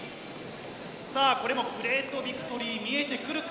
さぁこれもグレートビクトリー見えてくるか？